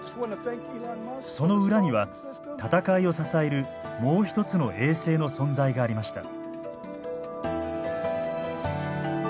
その裏には戦いを支えるもう一つの衛星の存在がありました。